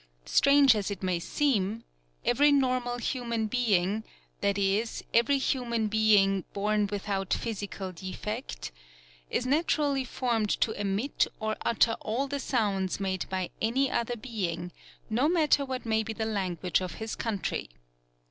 Strange as it may seem, every normal human being — that is, every human being born without physical defect — is naturally formed to emit or utter all the sounds made by any other being, no matter what may be the language of his country.